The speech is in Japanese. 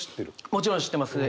もちろん知ってますね。